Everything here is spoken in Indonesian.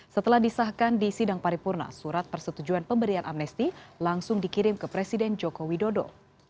setelah disahkan di sidang paripurna surat persetujuan pemberian amnesti langsung dikirim ke presiden joko widodo